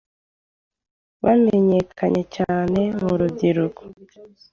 Ryamenyekanye cyane mu rubyiruko